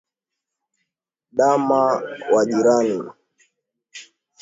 Dama wa jirani.